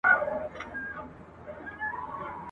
له بهرامه ښادي حرامه !.